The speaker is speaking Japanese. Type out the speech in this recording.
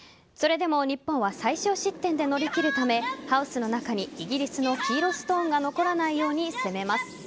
それでも日本は最少失点で乗り切るためハウスの中にイギリスの黄色ストーンが残らないように攻めます。